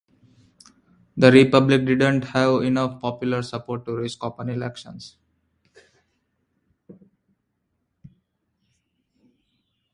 The republic did not have enough popular support to risk open elections.